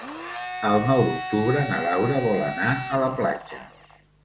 El nou d'octubre na Laura vol anar a la platja.